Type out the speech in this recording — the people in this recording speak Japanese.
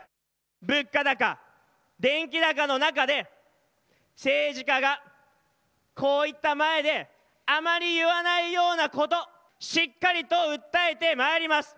物価高、電気高の中で政治家がこういった前であまり言わないようなこと、しっかりと訴えてまいります。